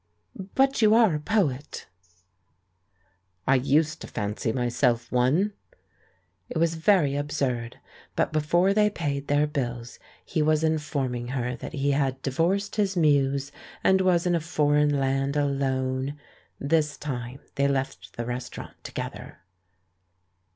"But you are a poet?" "I used to fancy myself one." It was very absurd, but before they paid their bills he was informing her that he had divorced his Muse, and was in a foreign land alone. This time they left the restaurant together.